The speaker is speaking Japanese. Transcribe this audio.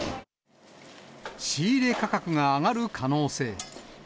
仕入れ価格が上がる可能性。